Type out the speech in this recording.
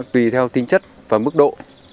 tùy theo tính chất và mức độ